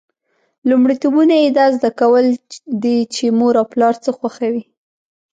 لومړیتوبونه یې دا زده کول دي چې مور او پلار څه خوښوي.